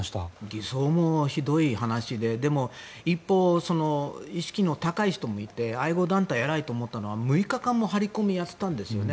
偽装もひどい話ででも、一方で意識の高い人もいて愛護団体、偉いと思ったのは６日間も張り込みをやっていたんですよね。